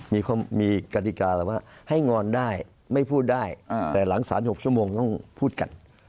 มีกฎิกาแล้วว่าให้งอนได้ไม่พูดได้แต่หลังสาร๖ชั่วโมงต้องพูดกัน